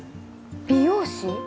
美容師？